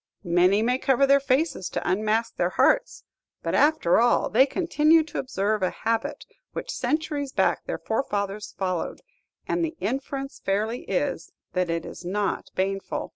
Many may cover their faces to unmask their hearts; but, after all, they continue to observe a habit which centuries back their forefathers followed; and the inference fairly is, that it is not baneful.